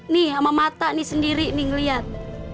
nih sama mata sendiri nih ngeliat